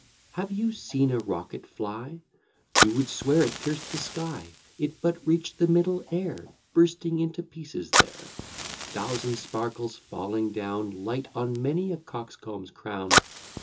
Have you seen a rocket fly? You would swear it pierced the sky: It but reach'd the middle air, Bursting into pieces there; Thousand sparkles falling down Light on many a coxcomb's crown.